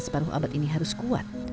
separuh abad ini harus kuat